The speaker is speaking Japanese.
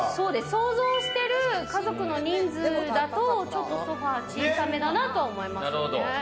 想像してる家族の人数だと、ちょっとソファ小さめだなと思いますね。